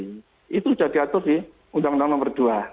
itu sudah diatur di undang undang nomor dua